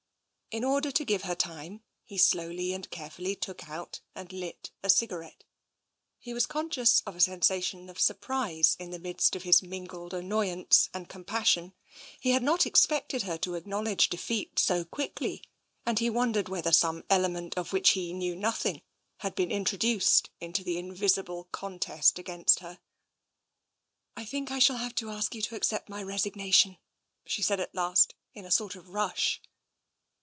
In order to give her time, he slowly and carefully took out and lit a cigarette. He was conscious of a sensation of surprise in the midst of his mingled an noyance and compassion. He had not expected her to 250 TENSION acknowledge defeat so quickly, and he wondered whether some element of which he knew nothing had been introduced into the invisible contest against her. " I think I shall have to ask you to accept my resig nation," she said at last, in a sort of rush.